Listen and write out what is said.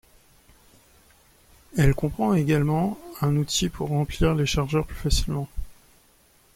Elle comprend également un outil pour remplir les chargeurs plus facilement.